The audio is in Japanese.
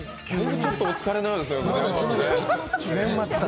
ちょっとお疲れのようですね。